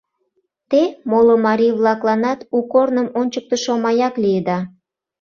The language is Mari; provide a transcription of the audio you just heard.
Те моло марий-влакланат у корным ончыктышо маяк лийыда!